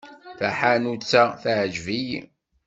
Taḥanut-a teɛjeb-iyi.